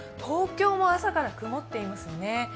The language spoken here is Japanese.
東京も朝から曇っていますよね。